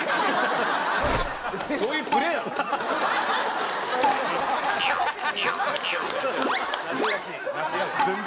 そういうプレーなの？